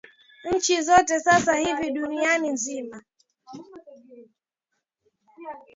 nchi zote sasa hivi dunia nzima